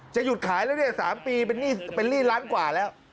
จะหยุดขายแล้ว๓ปีเป็นลี่ล้านกว่าแล้ว